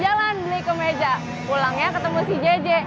jalan jalan beli ke meja pulangnya ketemu si jeje